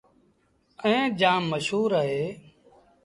ائيٚݩ جآم مشهور اهي